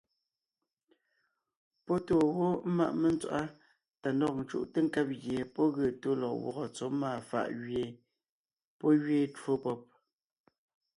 Pɔ́ tóo wó ḿmaʼ mentswaʼá tá ndɔg ńcúʼte nkab gie pɔ́ ge tó lɔg gwɔ́gɔ tsɔ́ máa fàʼ gẅie pɔ́ gẅiin twó pɔ́b.